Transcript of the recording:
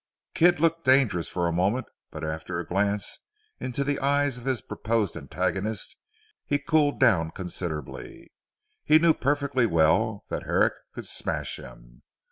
Kidd looked dangerous for a moment, but after a glance into the eyes of his proposed antagonist he cooled down considerably. He knew perfectly well, that Herrick could smash him.